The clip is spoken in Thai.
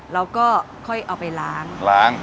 เราก็ค่อยเอาไปล้าง